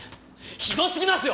ひどすぎますよ！